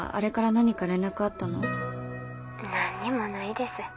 何にもないです。